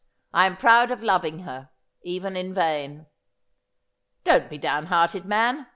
I am proud of loving her, even in vain.' ' Don't be down hearted, man.